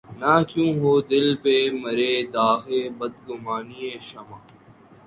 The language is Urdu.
نہ کیوں ہو دل پہ مرے داغِ بدگمانیِ شمع